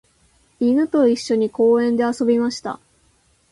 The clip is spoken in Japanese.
犬と一緒に公園で遊びました。